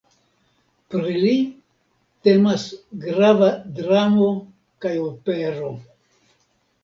Pri li temas grava dramo kaj opero.